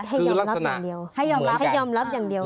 ให้ยอมรับอย่างเดียวเหมือนกันคือลักษณะให้ยอมรับอย่างเดียว